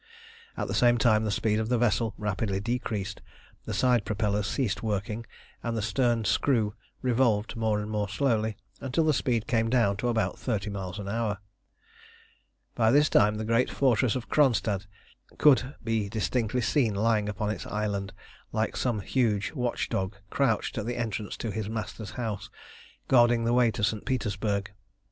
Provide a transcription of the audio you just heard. At the same time the speed of the vessel rapidly decreased; the side propellers ceased working, and the stern screw revolved more and more slowly, until the speed came down to about thirty miles an hour. By this time the great fortress of Kronstadt could be distinctly seen lying upon its island, like some huge watch dog crouched at the entrance to his master's house, guarding the way to St. Petersburg.